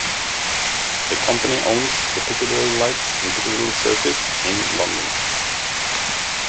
The company owns the Piccadilly Lights in Piccadilly Circus in London.